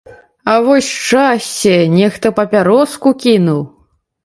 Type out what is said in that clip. А вось шчасце, нехта папяроску кінуў.